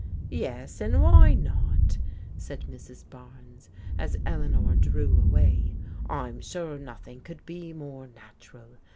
"Yes, and why not?" said Mrs. Barnes as Eleanor drew away. " I'm sure nothing could be more natural.